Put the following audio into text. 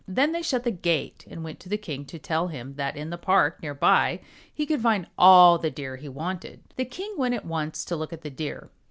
Then they shut the gate and went to the king to tell him that in the park near by he could find all the Deer he wanted. The king went at once to look at the Deer.